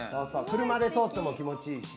車で通っても気持ちいいし。